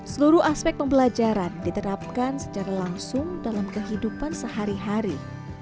seluruh aspek pembelajaran diterapkan secara langsung dalam kehidupan sehari hari